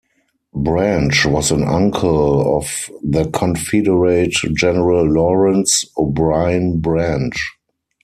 Branch was an uncle of the Confederate General Lawrence O'Bryan Branch.